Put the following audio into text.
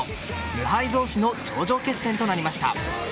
無敗同士の頂上決戦となりました。